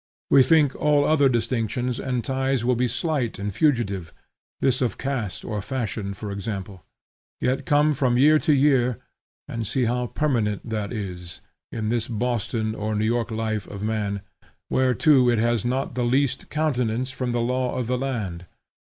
We think all other distinctions and ties will be slight and fugitive, this of caste or fashion for example; yet come from year to year and see how permanent that is, in this Boston or New York life of man, where too it has not the least countenance from the law of the land.